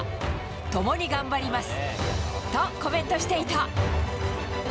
共に頑張ります！とコメントしていた。